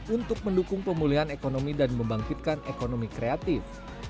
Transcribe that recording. untuk mendukung pemulihan ekonomi dan membangkitkan ekonomi kreatif